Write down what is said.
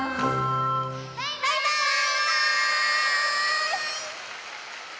バイバーイ！